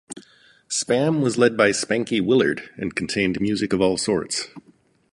Spam was led by Spanky Willard and contained music of all sorts.